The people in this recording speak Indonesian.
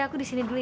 aku disini dulu ya